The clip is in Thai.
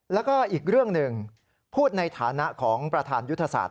แล้วก็อีกเรื่องหนึ่งพูดในฐานะของประธานยุทธศาสต